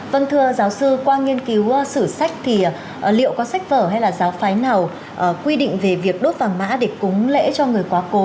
vâng thưa giáo sư qua nghiên cứu sử sách thì liệu có sách vở hay là giáo phái nào quy định về việc đốt vàng mã để cúng lễ cho người quá cố